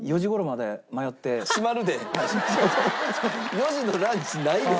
４時のランチないで。